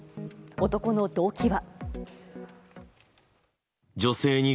男の動機は。